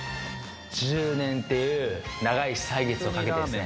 １０年っていう長い歳月をかけてですね